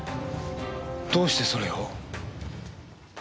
どうしてそれを？